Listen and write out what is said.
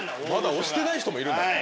押してない人もいるんだから！